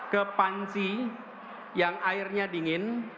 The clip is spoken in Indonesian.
ke panci yang airnya dingin